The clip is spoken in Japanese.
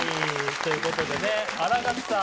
ということでね新垣さん